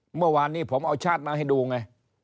เมื่อวานนี้ผมเอาชาติมาให้ดูไง